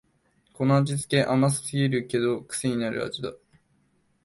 この味つけ、甘すぎるけどくせになる味だ